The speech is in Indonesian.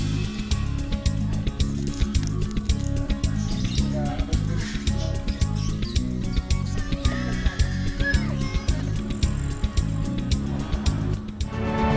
membawa sejumlah manfaat terbaik